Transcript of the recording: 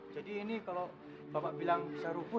jadi ini kalau bapak bilang bisa rupuh